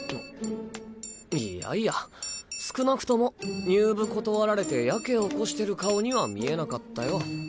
いやいや少なくとも入部断られてヤケ起こしてる顔には見えなかったよ。